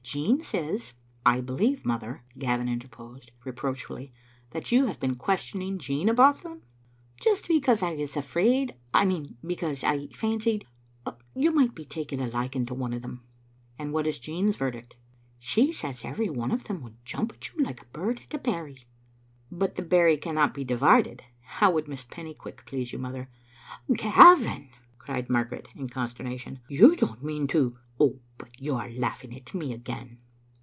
Jean says "" I believe, mother," Gavin interposed, reproachfully, "that you have been questioning Jean about them?" "Just because I was afraid — I mean because I fancied — ^you might be taking a liking to one of them." "And what is Jean's verdict?" " She says every one of them would jump at you, like a bird at a berry." " But the berry cannot be divided. How would Miss Pennycuick please you, mother?" Gavin!" cried Margaret, in consternation, "you don't mean to But you are laughing at me again."